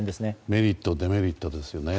メリットデメリットですよね。